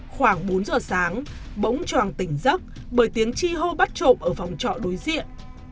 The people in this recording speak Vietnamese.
khoảng bốn giờ sáng bỗng tròn tỉnh dốc bởi tiếng chi hô bắt trộm ở phòng trọ đối diện